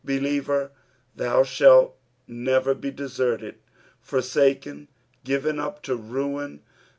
Believer, thou shnlt neTer be deserted, forsaken, ^Iven up to rain.